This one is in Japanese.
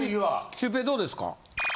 シュウペイどうですか？